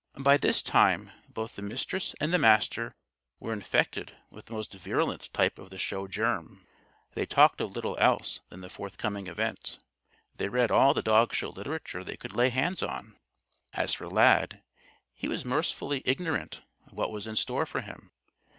By this time both the Mistress and the Master were infected with the most virulent type of the Show Germ. They talked of little else than the forthcoming Event. They read all the dog show literature they could lay hands on. As for Lad, he was mercifully ignorant of what was in store for him.